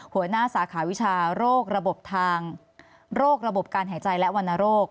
หัวหน้าสาขาวิชาโรคระบบทางโรคระบบการหายใจและวนโรค